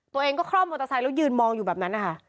ตัวเองก็คล่อมมอเตอร์ไซค์แล้วยืนมองอยู่แบบนั้นนะคะ